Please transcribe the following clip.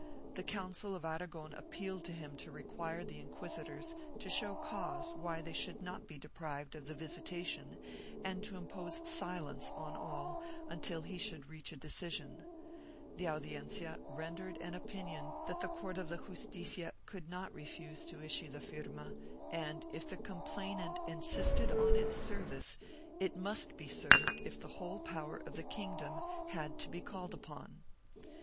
The Council of Aragon appealed to him to require the inquisitors to show cause why they should not be deprived of the visitation and to impose silence on all until he should reach a decision; the Audiencia rendered an opinion that the court of the Justicia could not refuse to issue the firma and, if the complainant insisted on its service, it must be served if the whole power of the kingdom had to be called upon.